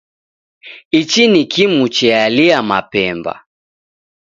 Ichi ni kimu chealia mapemba